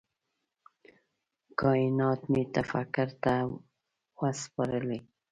کائینات مي تفکر ته وه سپارلي